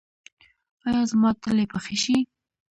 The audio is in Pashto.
ایا زما تلي به ښه شي؟